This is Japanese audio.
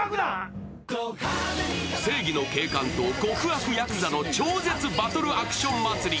正義の警官と極悪ヤクザの超絶バトルアクション祭り。